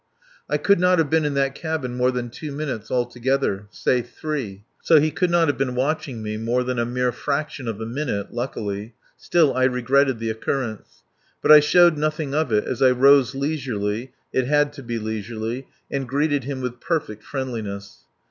I could not have been in that cabin more than two minutes altogether. Say three. ... So he could not have been watching me more than a mere fraction of a minute, luckily. Still, I regretted the occurrence. But I showed nothing of it as I rose leisurely (it had to be leisurely) and greeted him with perfect friendliness.